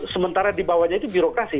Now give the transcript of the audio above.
sementara dibawahnya itu birokrasi